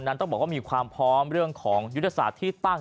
ต้องบอกว่ามีความพร้อมเรื่องของยุทธศาสตร์ที่ตั้ง